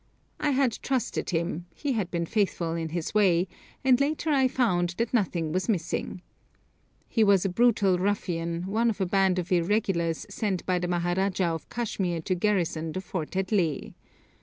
I had trusted him, he had been faithful in his way, and later I found that nothing was missing. He was a brutal ruffian, one of a band of irregulars sent by the Maharajah of Kashmir to garrison the fort at Leh.